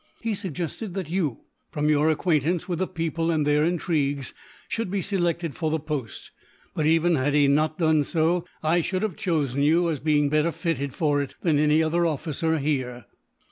He suggested that you, from your acquaintance with the people and their intrigues, should be selected for the post but, even had he not done so, I should have chosen you, as being better fitted for it than any other officer here.